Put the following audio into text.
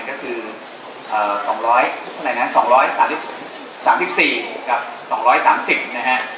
ก็คือ๒๓๔คะแนนกันก็คือ๒๓๐คะแนน